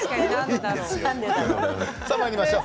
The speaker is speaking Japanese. まいりましょう。